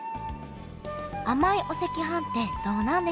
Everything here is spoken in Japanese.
甘いお赤飯ってどうなんでしょう？